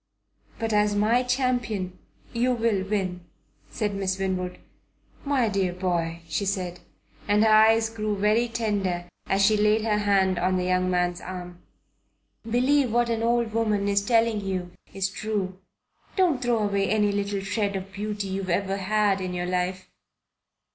"But as my champion you will win," said Miss Winwood. "My dear boy," she said, and her eyes grew very tender as she laid her hand on the young man's arm, "believe what an old woman is telling you is true. Don't throw away any little shred of beauty you've ever had in your life.